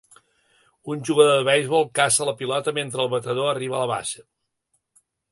Un jugador de beisbol caça la pilota mentre el batedor arriba a la base.